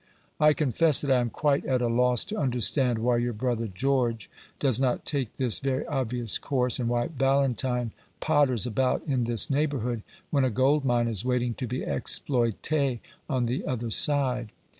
I confess that I am quite at a loss to understand why your brother George does not take this very obvious course, and why Valentine potters about in this neighbourhood, when a gold mine is waiting to be exploité on the other side.